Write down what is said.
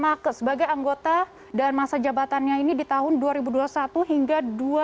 marke sebagai anggota dan masa jabatannya ini di tahun dua ribu dua puluh satu hingga dua ribu dua puluh